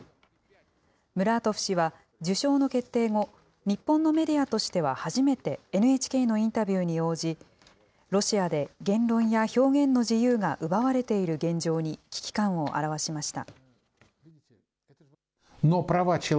ムラートフ氏は受賞の決定後、日本のメディアとしては初めて、ＮＨＫのインタビューに応じ、ロシアで言論や表現の自由が奪われている現状に危機感を表しました。